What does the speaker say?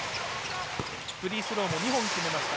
フリースローも２本決めました。